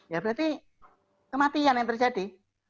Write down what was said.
ya berarti kematian yang terjadi